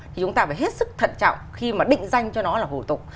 thì chúng ta phải hết sức thận trọng khi mà định danh cho nó là hủ tục